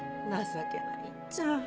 情けないっちゃ。